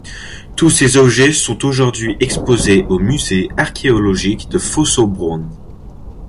Tous ces objets sont aujourd'hui exposés au musée archéologique de Fossombrone.